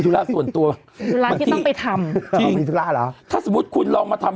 ระส่วนตัวธุระที่ต้องไปทำต้องมีธุระเหรอถ้าสมมุติคุณลองมาทำ